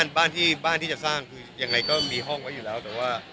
ก็ตอนนี้บ้านที่จะสร้างยังไงก็มีห้องไว้อยู่แล้ว